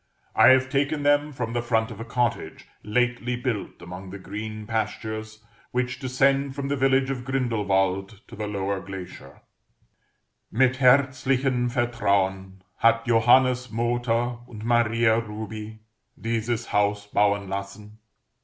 I have taken them from the front of a cottage lately built among the green pastures which descend from the village of Grindelwald to the lower glacier: "Mit herzlichem Vertrauen Hat Johannes Mooter und Maria Rubi Dieses Haus bauen lassen.